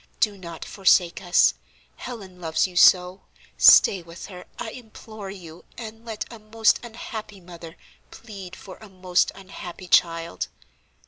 Do not forsake us: Helen loves you so. Stay with her, I implore you, and let a most unhappy mother plead for a most unhappy child."